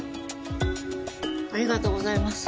ありがとうございます。